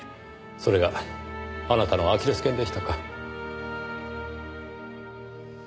それがあなたのアキレス腱でしたか。